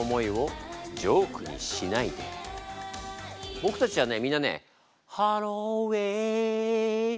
僕たちはねみんなね。